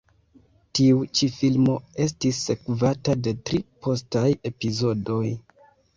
Tiu ĉi filmo estis sekvata de tri postaj epizodoj.